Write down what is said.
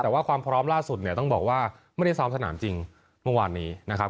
แต่ว่าความพร้อมล่าสุดเนี่ยต้องบอกว่าไม่ได้ซ้อมสนามจริงเมื่อวานนี้นะครับ